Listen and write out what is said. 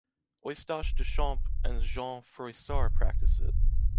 Eustache Deschamps and Jean Froissart practice it.